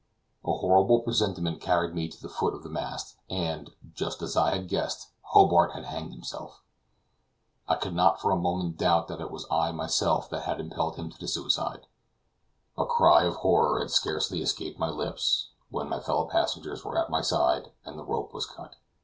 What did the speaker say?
A horrible presentiment carried me to the foot of the mast, and, just as I had guessed, Hobart had hanged himself. I could not for a moment doubt that it was I myself that had impelled him to the suicide. A cry of horror had scarcely escaped my lips, when my fellow passengers were at my side, and the rope was cut.